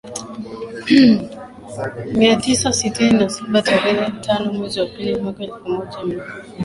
mia tisa sitini na sabaTarehe tano mwezi wa pili mwaka elfu moja mia